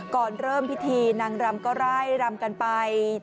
ก่อนเริ่มพิธีนางรำก็ไล่รำกันไป